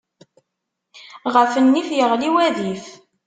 Ɣef nnif, yeɣli wadif.